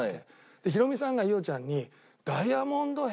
でヒロミさんが伊代ちゃんに。